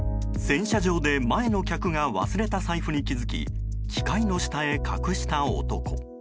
洗車場で前の客が忘れた財布に気づき機械の下へ隠した男。